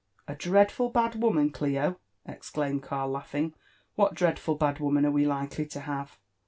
'' A dreadful bad woman, Clio !" exclaimed Karl, laughing : ''what dreadful bad woman are we likely to have